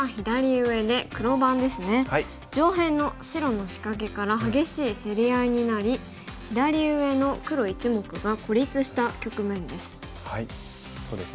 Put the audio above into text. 上辺の白の仕掛けから激しい競り合いになり左上の黒１目が孤立した局面です。